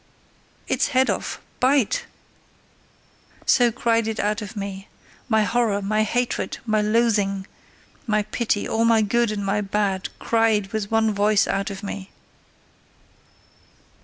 Its head off! Bite!" so cried it out of me; my horror, my hatred, my loathing, my pity, all my good and my bad cried with one voice out of me.